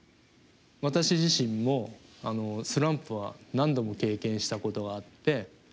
私自身もスランプは何度も経験したことがあって。